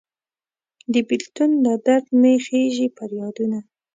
د بیلتون له درد مې خیژي پریادونه